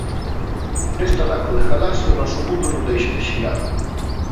Neste anaco da Galaxia o noso mundo non deixa de xirar.